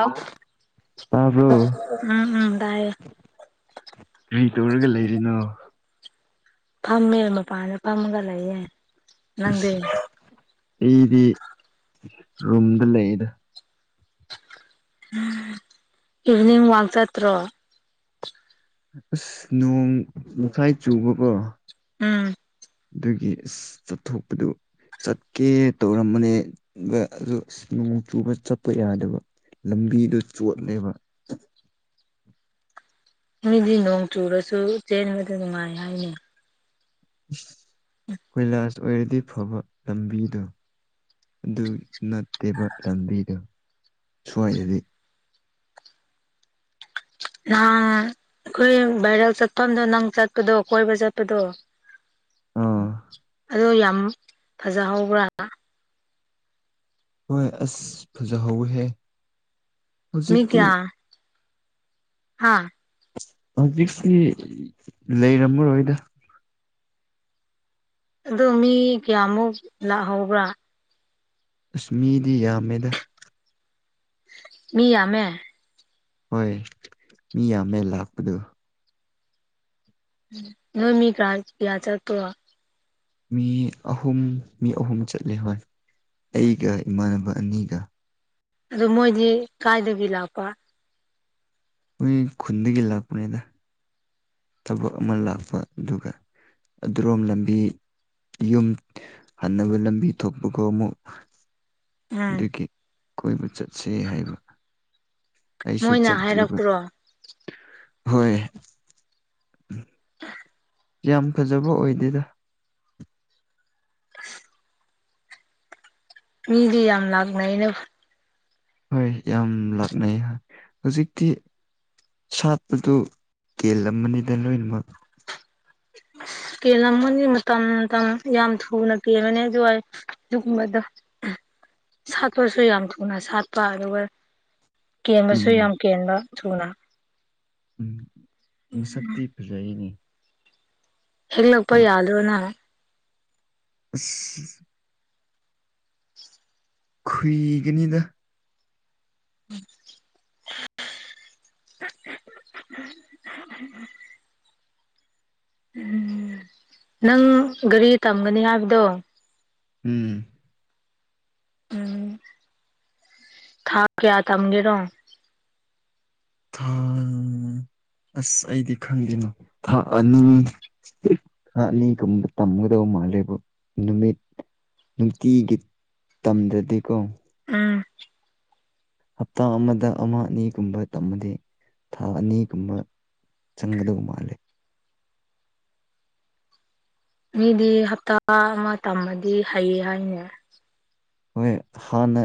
ꯑꯐ ꯇꯥꯕ꯭ꯔꯣ ꯇꯥꯏꯌꯦ ꯀꯔꯤ ꯇꯧꯔꯒ ꯂꯩꯔꯤꯅꯣ ꯐꯝꯃꯦ ꯃꯄꯥꯟꯗ ꯐꯝꯃꯒ ꯂꯩꯌꯦꯦ ꯑꯁ ꯑꯩꯗꯤ ꯔꯨꯝꯗ ꯂꯩꯗ ꯎ ꯏꯚꯅꯤꯡ ꯋꯥꯛ ꯆꯠꯇ꯭ꯔꯣ ꯑꯁ ꯅꯣꯡ ꯃꯈꯈꯥꯏ ꯆꯨꯕꯀꯣ ꯎꯝ ꯑꯗꯨꯒꯤ ꯆꯠꯊꯣꯛꯄꯗꯨ ꯆꯠꯀꯦ ꯇꯧꯔꯝꯕꯅꯦ ꯑꯗꯨ ꯑ ꯅꯣꯡ ꯆꯨꯕ ꯆꯠꯄ ꯌꯥꯗꯕ ꯂꯝꯕꯤꯗꯨ ꯆꯣꯠꯂꯦꯕ ꯃꯤꯗꯤ ꯅꯣꯡ ꯆꯨꯔꯁꯨ ꯆꯦꯟꯕꯗ ꯅꯨꯡꯉꯥꯏ ꯍꯥꯏꯅꯤ ꯀꯣꯏꯂꯥꯁ ꯑꯣꯏꯔꯗꯤ ꯐꯕ ꯂꯝꯕꯤꯗꯣ ꯑꯗꯨ ꯅꯠꯇꯦꯕ ꯂꯝꯕꯤꯗꯣ ꯁꯋꯥꯗꯤ ꯅꯪ ꯑꯩꯈꯣꯏ ꯚꯥꯏꯔꯦꯜ ꯆꯠꯐꯝꯗꯣ ꯅꯪ ꯆꯠꯄꯗꯣ ꯀꯣꯏꯕ ꯆꯠꯄꯗꯣ ꯑꯥ ꯑꯗꯣ ꯌꯥꯝ ꯐꯖꯍꯧꯕ꯭ꯔꯥ ꯍꯣꯏ ꯑꯁ ꯐꯖꯍꯧꯋꯍꯦ ꯍꯧꯖꯤꯛꯇꯤ ꯍꯥꯥ ꯍꯧꯖꯤꯛꯇꯁꯤ ꯂꯩꯔꯝꯃꯔꯣꯏꯗ ꯑꯗꯣ ꯃꯤ ꯀꯌꯥꯃꯨꯛ ꯂꯥꯛꯍꯧꯕ꯭ꯔꯥ ꯑꯁ ꯃꯤꯗꯤ ꯌꯥꯝꯃꯦꯗ ꯃꯤ ꯌꯥꯝꯃꯦ ꯍꯣꯏ ꯃꯤ ꯌꯥꯝꯃꯦ ꯂꯥꯛꯄꯗꯣ ꯅꯣꯏ ꯃꯤ ꯀꯥ ꯀꯌꯥ ꯆꯠꯄ꯭ꯔꯣ ꯃꯤ ꯑꯍꯨꯝ ꯃꯤ ꯑꯍꯨꯝ ꯆꯠꯂꯦ ꯍꯣꯏ ꯑꯩꯒ ꯏꯃꯥꯟꯅꯕ ꯑꯅꯤꯒ ꯑꯗꯨ ꯃꯣꯏꯗꯤ ꯀꯥꯏꯗꯒꯤ ꯂꯥꯛꯄ ꯑꯩꯈꯣꯏ ꯈꯨꯟꯗꯒꯤ ꯂꯥꯛꯄꯅꯦꯗ ꯊꯕꯛ ꯑꯃ ꯂꯥꯛꯄ ꯑꯗꯨꯒ ꯑꯗꯨꯔꯣꯝ ꯂꯝꯕꯤ ꯌꯨꯝ ꯍꯟꯅꯕ ꯂꯝꯕꯤ ꯊꯣꯛꯄꯒ ꯑꯃꯨꯛ ꯎꯝ ꯑꯗꯨꯒꯤ ꯀꯣꯏꯕ ꯆꯠꯁꯦ ꯍꯥꯏꯕ ꯑꯩꯁꯨ ꯃꯣꯏꯅ ꯆꯠꯇ꯭ꯔꯤꯕ ꯍꯥꯏꯔꯛꯄ꯭ꯔꯣ ꯍꯣꯏ [unintelligible] ꯌꯥꯝ ꯐꯖꯕ ꯑꯣꯏꯗꯦꯗ ꯃꯤꯗꯤ ꯌꯥꯝ ꯂꯥꯛꯅꯩꯅ ꯍꯣꯏ ꯌꯥꯝ ꯂꯥꯛꯅꯩ ꯍꯧꯖꯤꯛꯇꯤ ꯁꯥꯠꯄꯗꯨ ꯀꯦꯜꯂꯝꯃꯅꯤꯗ ꯂꯣꯏꯅꯃꯛ ꯀꯦꯜꯂꯝꯒꯅꯤ ꯃꯇꯝ ꯃꯇꯝ ꯌꯥꯝ ꯊꯨꯅ ꯀꯦꯜꯕꯅꯤ ꯑꯗꯨꯋꯥꯏ ꯗꯨꯒꯨꯝꯕꯗ‌ꯣ [inaudible] ꯁꯥꯠꯄꯁꯨ ꯌꯥꯝ ꯊꯨꯅ ꯁꯥꯠꯄ ꯑꯗꯨꯒ ꯀꯦꯟꯕꯁꯨ ꯎꯝ ꯌꯥꯝ ꯀꯦꯟꯕ ꯊꯨꯅ ꯎꯝ ꯃꯁꯛꯇꯤ ꯐꯖꯩꯅ‌ꯦ ꯍꯦꯛꯂꯛꯄ ꯌꯥꯗ꯭ꯔꯣ ꯎꯁ ꯈꯨꯨꯏꯒꯅꯤꯗ [unintelligible] [inaudible] ꯎꯝ ꯅꯪ ꯒꯥꯔꯤ ꯇꯝꯒꯅꯤ ꯍꯥꯏꯕꯗꯣ ꯎꯝ ꯎꯝ ꯊꯥ ꯀꯌꯥ ꯊꯝꯒꯦꯔꯣ ꯊꯥ ꯑꯁ ꯑꯩꯗꯤ ꯈꯪꯗꯦꯅꯣ ꯊꯥ ꯑꯅꯤ ꯑꯅꯤꯒꯨꯝꯕ ꯇꯝꯒꯗꯧ ꯃꯥꯜꯂꯦꯕ ꯅꯨꯃꯤꯠ ꯅꯨꯡꯇꯤꯒꯤ ꯇꯝꯗꯗꯤꯀꯣ ꯎꯝ ꯍꯞꯇꯥ ꯑꯃꯗ ꯑꯃ ꯑꯅꯤꯒꯨꯝꯕ ꯇꯝꯃꯗꯤ ꯊꯥ ꯑꯅꯤꯒꯨꯝꯕ ꯆꯪꯒꯗꯕ ꯃꯥꯜꯂꯦ ꯃꯤꯗꯤ ꯍꯞꯇꯥ ꯑꯃ ꯇꯝꯃꯗꯤ ꯍꯩ ꯍꯥꯏꯅꯦ ꯍꯣꯏ ꯍꯥꯟꯅ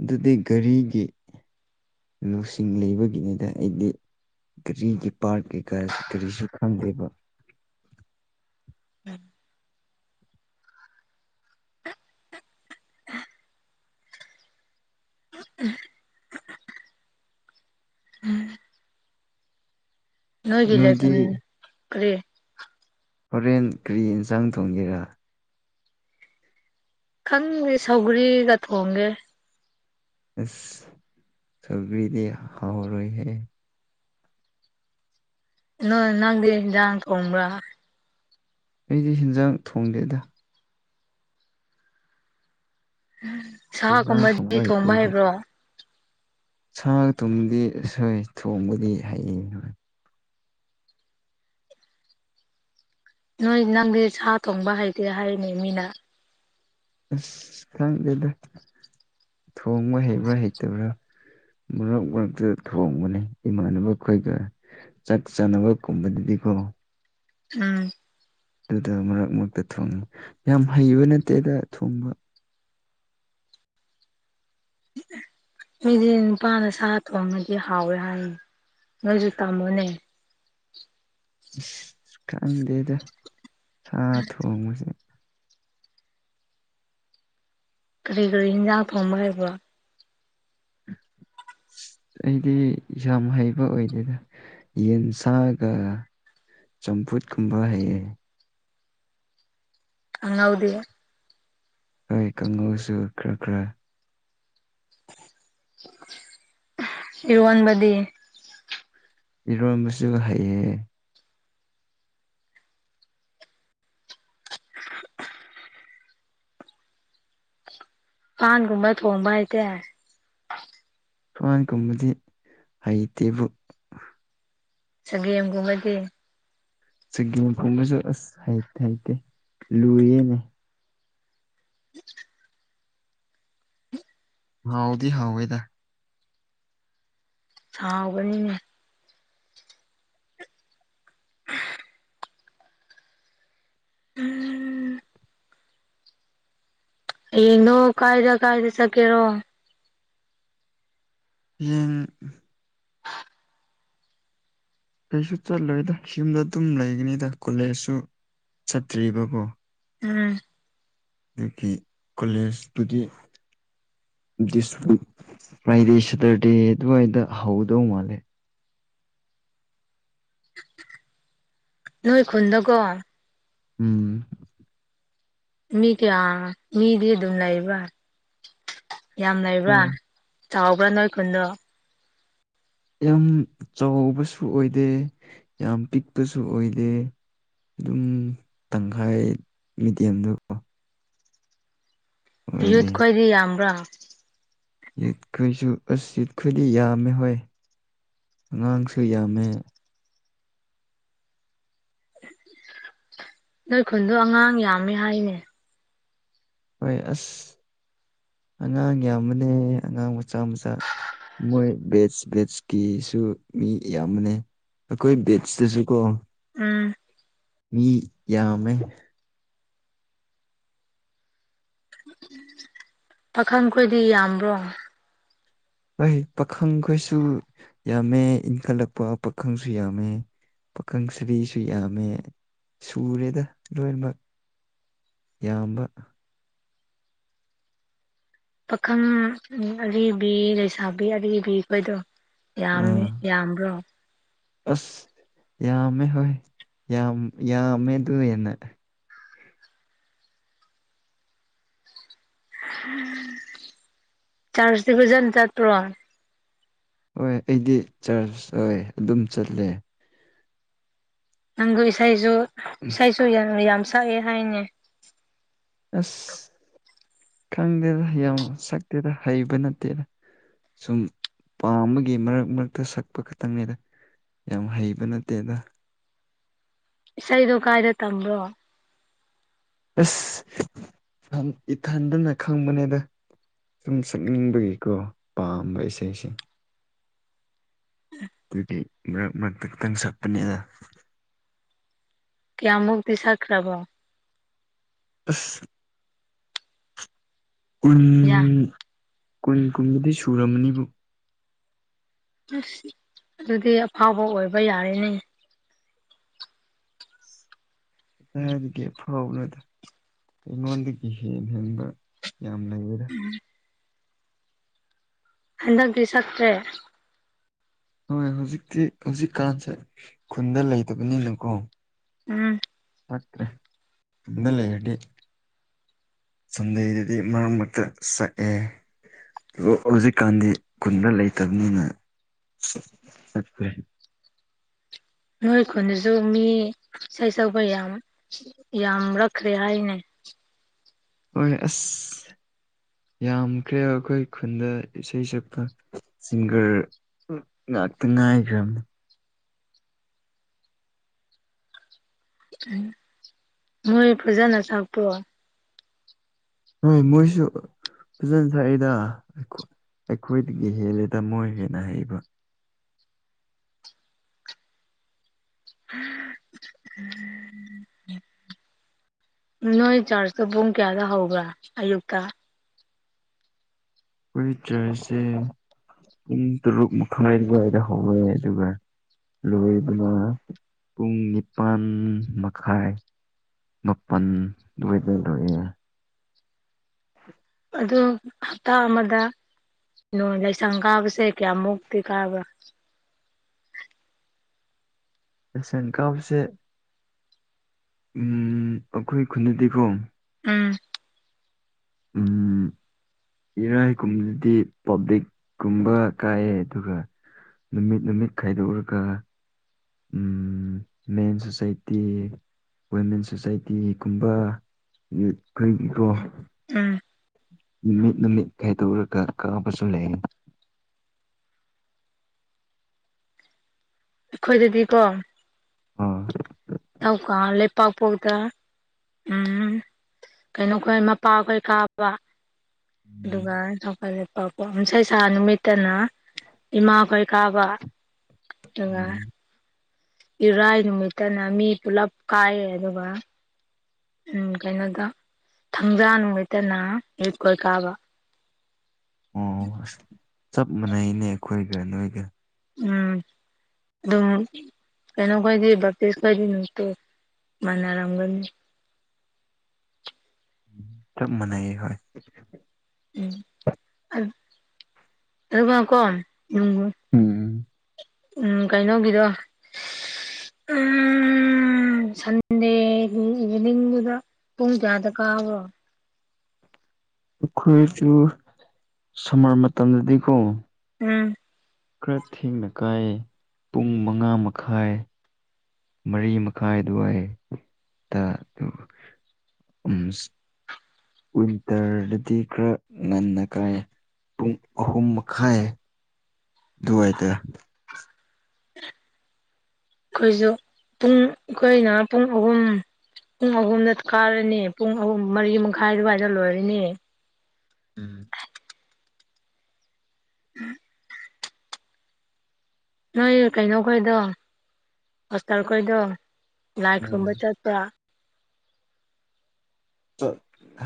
ꯑꯗꯨꯗꯤ ꯒꯥꯔꯤꯒꯤ ꯂꯧꯁꯤꯡ ꯂꯩꯕꯒꯤꯅꯤꯗ ꯑꯩꯗꯤ ꯒꯥꯔꯤꯒꯤ ꯄꯥꯔꯠ ꯀꯩꯀꯥ ꯀꯔꯤꯁꯨ ꯈꯪꯗꯦꯕ ꯎꯝ [inaudible] ꯎꯝ ꯅꯣꯏꯒꯤ ꯅꯣꯏꯗꯤ ꯂꯩꯐꯝ ꯀ꯭ꯔꯤ ꯍꯣꯔꯦꯟ ꯀꯔꯤ ꯏꯟꯁꯥꯡ ꯊꯣꯡꯒꯦꯔꯥ ꯈꯪꯗꯦ ꯁꯧꯒ꯭ꯔꯤꯒ ꯊꯣꯡꯒꯦ ꯑꯁ ꯁꯧꯒ꯭ꯔꯤꯗꯤ ꯍꯥꯎꯔꯣꯏꯍꯦ ꯅꯣꯏ ꯅꯪꯗꯤ ꯏꯡꯖꯥꯡ ꯊ‌ꯣꯡꯕ꯭ꯔꯥ ꯑꯩꯗꯤ ꯍꯦꯟꯖꯥꯡ ꯊꯣꯡꯗꯦꯗ ꯁꯥ ꯒꯨꯝꯕꯗꯤ ꯊꯣꯡꯕ ꯍꯩꯕ꯭ꯔꯣ ꯁꯥꯒ ꯊꯨꯝꯗꯤ ꯍ‌ꯣꯏ ꯊꯣꯡꯕꯗꯤ ꯍꯩ ꯍ‌ꯣꯏ ꯅꯣꯏ ꯅꯪꯗꯤ ꯁꯥ ꯊꯣꯡꯕ ꯍꯩꯇꯦ ꯍꯥꯏꯅꯦ ꯃꯤꯅ ꯑꯁ ꯈꯪꯗꯦꯗ ꯊꯣꯡꯕ ꯍꯩꯕ꯭ꯔꯥ ꯍꯩꯇꯕ꯭ꯔꯥ ꯃꯔꯛ ꯃꯔꯛꯇ ꯊꯣꯡꯕꯅꯤ ꯏꯃꯥꯟꯅꯕ ꯑꯩꯈꯣꯏꯒ ꯆꯠ ꯆꯥꯅꯕ ꯀꯨꯝꯕꯗꯨꯗꯤꯀꯣ ꯎꯝ ꯑꯗꯨꯗ ꯃꯔꯛ ꯃꯔꯛꯇ ꯊꯣꯡꯉꯤ ꯌꯥꯝ ꯍꯩꯕ ꯅꯠꯇꯦꯗ ꯊꯣꯡꯕ ꯗꯤ ꯅꯨꯄꯥꯅ ꯁꯥ ꯊꯣꯡꯉꯗꯤ ꯍꯥꯎꯋꯦ ꯍꯥꯏꯌꯦ ꯅꯣꯏꯁꯨ ꯇꯥꯃꯣꯅꯦ ꯑꯁ ꯈꯪꯗꯦꯗ ꯁꯥ ꯊꯣꯡꯕꯁꯦ ꯀꯔꯤ ꯀꯔꯤ ꯍꯤꯟꯖꯥꯡ ꯊꯣꯡꯕ ꯍꯥꯏꯕ꯭ꯔꯣ ꯑꯁ ꯑꯩꯗꯤ ꯌꯥꯝ ꯍꯩꯕ ꯑꯣꯏꯗꯅ ꯌꯦꯟ ꯁꯥꯑꯒ ꯆꯝꯐꯨꯠꯀꯨꯝꯕ ꯍꯩꯑꯦ ꯀꯪꯍꯧꯗꯤ ꯍꯣꯏ ꯀꯥꯡꯍꯧꯁꯨ ꯈꯔ ꯈꯔ ꯏꯔꯣꯟꯕꯗꯤ ꯏꯔꯣꯟꯕꯁꯨ ꯍꯩꯌꯦ ꯄꯥꯟꯒꯨꯝꯕ ꯊꯣꯡꯕ ꯍꯩꯕꯔꯥ ꯄꯥꯟ ꯀꯨꯝꯕꯗꯤ ꯍꯩꯇꯦꯕꯨ ꯆꯥꯒꯦꯝꯒꯨꯝꯕꯗꯤ ꯆꯥꯒꯦꯝ ꯈꯨꯝꯕꯁꯨ ꯑꯁ ꯍꯩ ꯍꯩꯇꯦ ꯂꯨꯌꯦꯅꯦ ꯍꯥꯎꯥꯗꯤ ꯍꯥꯎꯏꯗ ꯁꯥꯎꯕꯅꯤꯅꯦ [unintelligible] ꯎꯝ ꯍꯌꯦꯡꯗꯣ ꯀꯥꯏꯗ ꯀꯥꯏꯗ ꯆꯀꯦꯔꯣ [unintelligible] ꯀꯩꯁꯨ ꯆꯠꯂꯣꯏꯗ ꯌꯨꯝꯗ ꯑꯗꯨꯝ ꯂꯩꯒꯅꯤꯗ ꯀꯣꯂꯦꯖꯁꯨ ꯆꯠꯇ꯭ꯔꯤꯕꯀꯣ ꯎꯝ ꯑꯗꯨꯒꯤ ꯀꯣꯂꯦꯖꯇꯨꯗꯤ ꯗꯤꯁ ꯋꯤꯛ ꯐ꯭ꯔꯥꯏꯗꯦ ꯁꯦꯇꯔꯗꯦ ꯑꯗꯨꯋꯥꯏꯗ ꯍꯧꯗꯧ ꯃꯥꯜꯂꯦ ꯅꯣꯏ ꯈꯨꯟꯗꯀꯣ ꯎꯝ ꯃꯤ ꯀꯌꯥ ꯃꯤꯗꯤ ꯑꯗꯨꯝ ꯂꯩꯕ꯭ꯔꯥ ꯌꯥꯝ ꯂꯩꯕ꯭ꯔꯥ ꯆꯥꯎꯕ꯭ꯔ ꯅꯣꯏ ꯈꯨꯟꯗꯨ ꯌꯥꯝ ꯆꯥꯎꯕꯁꯨ ꯑꯣꯏꯗꯦ ꯌꯥꯝ ꯄꯤꯛꯄꯁꯨ ꯑꯣꯏꯗꯦ ꯑꯗꯨꯝ ꯇꯪꯈꯥꯏ ꯃꯤꯗꯤꯌꯝꯗꯀꯣ ꯌꯨꯠ ꯑꯣꯏꯌꯦ ꯈꯣꯏꯗꯤ ꯌꯥꯝ꯭ꯔꯥ ꯌꯦꯠꯈꯣꯏꯁꯨ ꯑꯁ ꯌꯦꯠꯈꯣꯏꯗꯤ ꯌꯥꯝꯃꯦ ꯍꯣꯏ ꯑꯉꯥꯡꯁꯨ ꯌꯥꯝꯃꯦ ꯅꯣꯏ ꯈꯨꯟꯗꯣ ꯑꯉꯥꯡ ꯌꯥꯝꯃꯦ ꯍꯥꯏꯅꯦ ꯍꯣꯏ ꯑꯁ ꯑꯉꯥꯡ ꯌꯥꯝꯕꯅꯦ ꯑꯉꯥꯡ ꯃꯆꯥ ꯃꯆꯥ ꯃꯣꯏ ꯕꯦꯠꯁ ꯕꯦꯠꯁꯀꯤꯁꯨ ꯃꯤ ꯌꯥꯝꯌꯥꯝꯕꯅꯦ ꯑꯩꯈꯣꯏ ꯕꯦꯠꯁꯇꯁꯨ ꯀꯣ ꯎꯝ ꯃꯤ ꯌꯥꯝꯃꯦ [inaudible] ꯄꯥꯈꯪ ꯈꯣꯏꯗꯤ ꯌꯥꯝꯕ꯭ꯔꯣ ꯍꯣꯏ ꯄꯥꯈꯪꯈꯩꯁꯨ ꯌꯥꯝꯃꯦ ꯏꯟꯈꯠꯂꯛꯄ ꯄꯥꯈꯪꯁꯨ ꯌꯥꯝꯃꯦ ꯄꯥꯈꯪ ꯁꯕꯤꯁꯨ ꯌꯥꯝꯃꯦ ꯁꯨꯔꯦꯗ ꯂꯣꯏꯅꯃꯛ ꯌꯥꯝꯕ ꯄꯥꯈꯪ ꯑꯔꯤꯕꯤ ꯂꯩꯁꯥꯕꯤ ꯑꯔꯤꯕꯤꯈꯣꯏꯗꯣ ꯌꯥꯝꯃꯦ ꯑꯥ ꯌꯥꯝꯕ꯭ꯔꯣ ꯑꯁ ꯌꯥꯝꯃꯦ ꯍꯣꯏ ꯌꯥꯝ ꯌꯥꯝꯃꯦ ꯑꯗꯨꯔꯦꯅ ꯆꯥꯁꯇ ꯇꯤ ꯐꯖꯅ ꯆꯠꯄꯔꯣ ꯍꯣꯏ ꯑꯩꯗꯤ ꯆꯔꯆ ꯍꯣꯏ ꯑꯗꯨꯝ ꯆꯠꯂꯦ ꯅꯪꯗꯨ ꯏꯁꯩꯁꯨ ꯏꯁꯩꯁꯨ ꯌꯥꯝ ꯌꯥꯝ ꯁꯛꯑꯦ ꯍꯥꯏꯅꯦ ꯑꯁ ꯈꯪꯗꯦꯗ ꯌꯥꯝ ꯁꯛꯇꯦꯗ ꯍꯩꯕ ꯅꯠꯇꯦꯗ ꯁꯨꯝ ꯄꯥꯝꯕꯒꯤ ꯃꯔꯛ ꯃꯔꯛꯇ ꯁꯛꯄ ꯈꯛꯇꯪꯅꯦꯗ ꯌꯥꯝ ꯍꯩꯕ ꯅꯠꯇꯦꯗ ꯏꯁꯩꯗꯣ ꯀꯥꯏꯗ ꯇꯝꯕ꯭ꯔꯣ ꯑꯁ ꯏꯊꯟ ꯏꯊꯟꯗꯅ ꯈꯪꯕꯅꯦꯗ ꯁꯨꯝ ꯁꯛꯅꯤꯡꯕꯒꯤꯀꯣ ꯄꯥꯝꯕ ꯏꯁꯩꯁ‌ꯦ ꯑꯗꯨꯒꯤ ꯃꯔꯛ ꯃꯔꯛꯇ ꯈꯤꯇꯪ ꯁꯠꯄꯅꯦꯗ ꯀꯌꯥꯃꯨꯛꯇꯤ ꯁꯛꯈ꯭ꯔꯕꯣ ꯑꯁ ꯀꯨꯟ ꯌꯥ ꯀꯨꯟ ꯀꯨꯟꯕꯨꯗꯤ ꯁꯨꯨꯔꯝꯃꯅꯤꯕꯨ ꯑꯁ ꯑꯗꯨꯗꯤ ꯑꯐꯥꯎꯕ ꯑꯣꯏꯕ ꯌꯥꯔꯦꯅꯦ ꯀꯥꯏꯗꯒꯤ ꯐꯥꯎꯕꯅꯣꯗ ꯑꯩꯉꯣꯟꯗꯒꯤ ꯍꯦꯟ ꯍꯦꯟꯕ ꯌꯥꯝ ꯂꯩꯌꯦꯗ ꯎꯝ ꯍꯟꯗꯛꯇꯤ ꯁꯛꯇ꯭ꯔꯦ ꯍꯣꯏ ꯍꯧꯖꯤꯛꯇꯤ ꯍꯧꯖꯤꯛꯀꯥꯟꯁꯦ ꯈꯨꯟꯗ ꯂꯩꯇꯕꯅꯤꯅꯀꯣ ꯎꯝ ꯁꯛꯇ꯭ꯔꯦ ꯌꯨꯝꯗ ꯂꯩꯔꯗꯤ ꯁꯟꯗ‌ꯦꯗꯗꯤ ꯃꯔꯛ ꯃꯔꯛꯇ ꯁꯛꯑꯦ ꯍꯧꯖꯤꯛꯀꯥꯟꯗꯤ ꯈꯨꯟꯗ ꯂꯩꯇꯕꯅꯤꯅ ꯁꯛꯇꯔ‌ꯦ ꯅꯣꯏ ꯈꯨꯟꯗꯁꯨ ꯃꯤ ꯏꯁꯩ ꯁꯛꯄ ꯌꯥꯝ ꯌꯥꯝꯔꯛꯈ꯭ꯔꯦ ꯍꯥꯏꯅꯦ ꯍꯣꯏ ꯑꯁ ꯌꯥꯝꯈ꯭ꯔꯦ ꯑꯩꯈꯣꯏ ꯈꯨꯟꯗ ꯏꯁꯩ ꯁꯛꯄ ꯁꯤꯡꯒꯔ ꯎ ꯉꯥꯛꯇ ꯉꯥꯏꯈ꯭ꯔꯕꯅꯤ ꯃꯣꯏ ꯐꯖꯅ ꯁꯛꯄꯔ‌ꯣ ꯍꯣꯏ ꯃꯣꯏꯁꯨ ꯐꯖꯅ ꯁꯛꯏꯗ ꯑꯩ ꯑꯩꯈꯣꯏꯗꯒꯤ ꯍꯦꯜꯂꯦꯗ ꯃꯣꯏ ꯍꯦꯟꯅ ꯍꯩꯕ [unintelligible] ꯅꯣꯏ ꯆꯥꯔꯖꯇꯣ ꯄꯨꯡ ꯀꯌꯥꯗ ꯍꯧꯕ꯭ꯔꯥ ꯑꯌꯨꯛꯇ ꯑꯩꯈꯣꯏ ꯆꯔꯖꯁꯦ ꯄꯨꯡ ꯇꯔꯨꯛ ꯃꯈꯥꯏ ꯑꯗꯨꯋꯥꯏꯗ ꯍꯧꯔꯦ ꯑꯗꯨꯒ ꯂꯣꯏꯕꯅ ꯄꯨꯡ ꯅꯤꯄꯥꯟ ꯃꯈꯥꯏ ꯃꯥꯄꯟ ꯑꯗꯨꯋꯥꯏꯗ ꯂ‌ꯣꯏꯌ‌ꯦ [inaudible] ꯑꯗꯨ ꯍꯞꯇꯥ ꯑꯃꯗ ꯅ‌ꯣ ꯂꯥꯏꯁꯪ ꯀꯥꯕꯁꯦ ꯀꯌꯥꯃꯨꯛꯇꯤ ꯀꯥꯕ꯭ꯔꯥ ꯂꯥꯏꯁꯪ ꯀꯥꯕꯁꯦ ꯎꯝ ꯑꯩꯈꯣꯏ ꯈꯨꯟꯗꯗꯤꯀꯣ ꯎꯝ ꯎꯝ ꯏꯔꯥꯏꯒꯨꯝꯗꯗꯤ ꯄꯕ꯭ꯂꯤꯛ ꯀꯨꯝꯕ ꯀꯥꯏꯌ‌ꯦ ꯑꯗꯨꯒ ꯅꯨꯃꯤꯠ ꯅꯨꯃꯤꯠ ꯈꯥꯏꯗꯣꯛꯔꯒ ꯎꯝ ꯃꯦꯟ ꯁꯣꯁꯥꯏꯇꯤ ꯋꯨꯃꯦꯟ ꯁꯣꯁꯥꯏꯇꯤꯒꯨꯝꯕ ꯌꯨꯠ ꯈꯣꯏꯒꯤꯀꯣ ꯎꯝ ꯅꯨꯃꯤꯠ ꯅꯨꯃꯤꯠ ꯈꯥꯏꯗꯣꯛꯔꯒ ꯀꯥꯕꯁꯨ ꯂꯩꯌ‌ꯦ ꯑꯩꯈꯣꯏꯒꯤꯗꯤꯀꯣ ꯑꯥ ꯇꯧꯀ ꯂꯩꯄꯥꯛꯄꯣꯛꯇ ꯎꯝ ꯀꯩꯅꯣꯈꯣꯏ ꯃꯄꯥꯈꯣꯏ ꯀꯥꯕ ꯎꯝ ꯑꯗꯨꯒ [unintelligible] ꯌꯨꯝꯁꯥꯀꯩꯁꯥ ꯅꯨꯃꯤꯠꯇꯅ ꯏꯃꯥꯈꯣꯏ ꯀꯥꯕ [inaudible] ꯑꯗꯨꯒ ꯏꯔꯥꯏ ꯅꯨꯃꯤꯠꯇꯅ ꯃꯤ ꯄꯨꯂꯞ ꯀꯥꯏꯑꯦ ꯑꯗꯨꯒ ꯎꯝ ꯀꯩꯅꯣꯗ ꯊꯥꯡꯖꯥ ꯅꯨꯃꯤꯠꯇꯅ ꯑꯌꯨꯛꯀ ꯀꯥꯕ ꯑꯣ ꯑꯁ ꯆꯞ ꯃꯥꯟꯅꯩꯅꯦ ꯑꯈꯣꯏꯒ ꯅꯣꯏꯒ ꯎꯝ ꯑꯗꯨꯝ ꯀꯩꯅꯣ ꯈꯣꯏꯗꯤ ꯚꯞꯇꯤꯁ ꯈꯣꯏꯗꯤ ꯅꯨꯡꯇꯤ ꯃꯥꯟꯅꯔꯝꯒꯅꯤ ꯆꯞ ꯃꯥꯟꯅꯩꯌꯦ ꯍꯣꯏ [unintelligible] ꯎꯝ ꯑꯗꯨꯒꯀꯣ ꯎꯝ ꯎꯝ ꯎꯝ ꯀꯩꯅꯣꯒꯤꯗꯣ [unintelligible] ꯎꯝ ꯁꯟꯗꯦ ꯅꯨꯃꯤ ꯏꯚꯤꯅꯤꯡꯒꯤꯗ ꯄꯨꯡ ꯀꯌꯥꯗ ꯀꯥꯕ꯭ꯔꯣ ꯑꯩꯈꯣꯏ [unintelligible] ꯁꯝꯃꯔ ꯃꯇꯝꯗꯗꯤꯀꯣ ꯎꯝ ꯈꯔ ꯊꯦꯡꯅ ꯀꯥꯏꯌꯦ ꯄꯨꯡ ꯃꯉꯥ ꯃꯈꯥꯏ ꯃꯔꯤ ꯃꯈꯥꯏ ꯑꯗꯨꯋꯥꯏ ꯇ [unintelligible] ꯎ ꯋꯤꯟꯇꯔꯗꯗꯤ ꯈꯔ ꯉꯟꯅ ꯀꯥꯏꯌꯦ ꯄꯨꯡ ꯑꯍꯨꯝ ꯃꯈꯥꯏ ꯑꯗꯨꯋꯥꯏꯗ ꯑꯩꯈꯣꯏꯖꯨ ꯄꯨꯡ ꯑꯩꯈꯣꯏꯅ ꯄꯨꯡ ꯑꯍꯨꯝ ꯄꯨꯡ ꯑꯍꯨꯝꯗ ꯀꯥꯔꯅꯤ ꯄꯨꯡ ꯑꯍꯨꯝ ꯃꯔꯤ ꯃꯈꯥꯏ ꯑꯗꯨꯋꯥꯏꯗ ꯂꯣꯏꯔꯅꯤ ꯎꯝ ꯎꯝ ꯅꯣꯏ ꯀꯩꯅꯣꯈꯣꯏꯗꯣ ꯄꯥꯁꯇꯔ ꯈꯣꯏꯗꯣ ꯎꯝ ꯂꯥꯏꯈꯨꯔꯨꯝꯕ ꯆꯠꯄ꯭ꯔꯥ ꯆ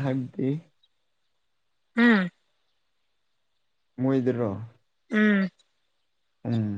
ꯍꯥꯏꯕꯗꯤ ꯎꯝ ꯃꯣꯏꯗꯔ‌ꯣ ꯎꯝ ꯎꯝ